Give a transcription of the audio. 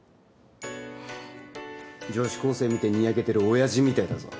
女子高生見てにやけてる親父みたいだぞ。